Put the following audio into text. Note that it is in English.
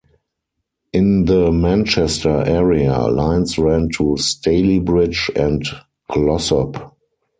In the Manchester area, lines ran to Stalybridge and Glossop.